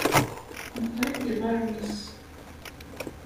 Meqqerit yiḍarren-is.